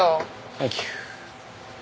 サンキュー。